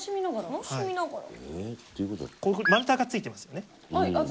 丸太がついてますよね。